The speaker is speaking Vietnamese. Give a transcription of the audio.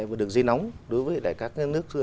và đường dây nóng đối với các nước